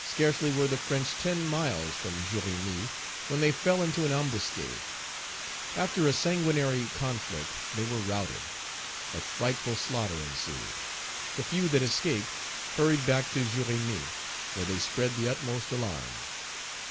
Scarcely were the French ten miles from Jérémie, when they fell into an ambuscade. After a sanguinary conflict, they were routed. A frightful slaughter ensued. The few that escaped hurried back to Jérémie, where they spread the utmost alarm.